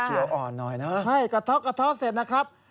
สีเขียวอ่อนหน่อยนะครับใช่กระท้อกระท้อเสร็จนะครับ